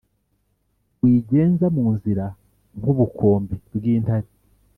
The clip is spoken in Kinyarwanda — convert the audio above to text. Wigenza mu nzira, nk’ubukombe bw’intare,